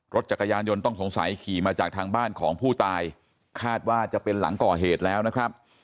รถจักรยานยนต์ต้องสงสัยขี่มาจากทางบ้านของผู้ตายคาดว่าจะเป็นหลังก่อเหตุแล้วนะครับ